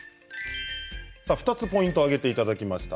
２つポイントを挙げていただきました。